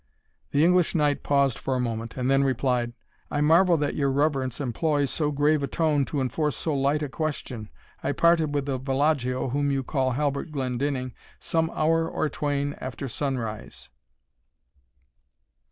The English knight paused for a moment, and then replied, "I marvel that your reverence employs so grave a tone to enforce so light a question. I parted with the villagio whom you call Halbert Glendinning some hour or twain after sunrise."